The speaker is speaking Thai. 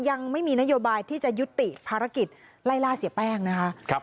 ยังไม่มีนโยบายที่จะยุติภารกิจไล่ล่าเสียแป้งนะคะ